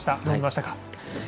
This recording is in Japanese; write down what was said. どう見ましたか。